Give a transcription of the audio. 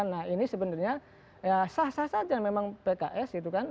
nah ini sebenarnya ya sah sah saja memang pks itu kan